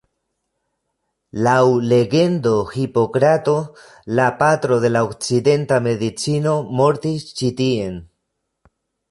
Laŭ legendo Hipokrato, la patro de la okcidenta medicino, mortis ĉi tien.